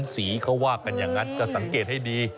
สีเขาว่ากันอย่างนั้นก็สังเกตให้ดี